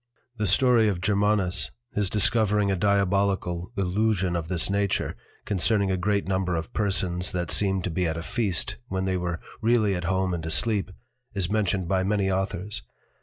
The story of Germanus his discovering a Diabolical illusion of this nature, concerning a great number of Persons that seemed to be at a Feast when they were really at home and asleep, is mentioned by many Authors.